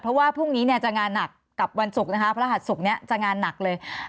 เพราะว่าพรุ่งนี้และพระหัดนี้จะงานหนักเลย